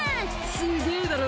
「すげぇだろ？